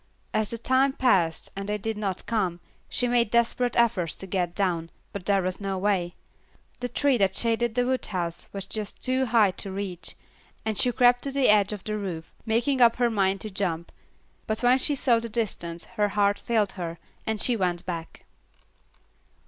As the time passed and they did not come, she made desperate efforts to get down, but there was no way. The tree that shaded the woodhouse was just too high to reach, and she crept to the edge of the roof, making up her mind to jump, but when she saw the distance her heart failed her, and she went back.